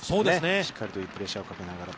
しっかりといいプレッシャーをかけながら。